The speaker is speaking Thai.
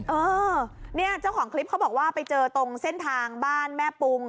เออเนี่ยเจ้าของคลิปเขาบอกว่าไปเจอตรงเส้นทางบ้านแม่ปุง